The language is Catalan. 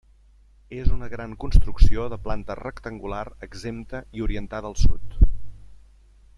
És una gran construcció de planta rectangular, exempta i orientada al Sud.